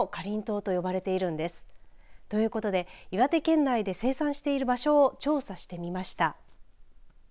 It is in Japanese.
ということで岩手県内で生産している場所を調査してみました。